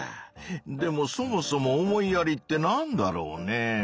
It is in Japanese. でもそもそも「思いやり」ってなんだろうね？